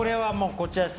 こちらです。